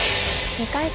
２回戦